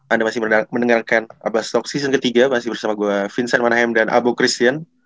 anda masih mendengarkan abah stock season ketiga masih bersama gue vincent manahem dan abu christian